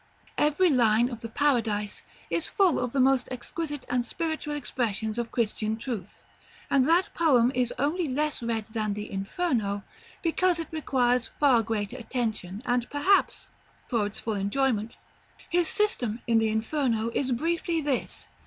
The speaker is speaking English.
Every line of the "Paradise" is full of the most exquisite and spiritual expressions of Christian truth; and that poem is only less read than the "Inferno" because it requires far greater attention, and, perhaps, for its full enjoyment, a holier heart. § LVIII. His system in the "Inferno" is briefly this.